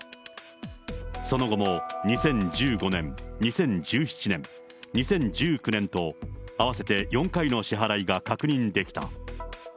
その後も２０１５年、２０１７年、２０１９年と、合わせて４回の支払いが確認できた。